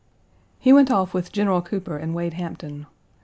He went off with General Cooper and Wade Hampton.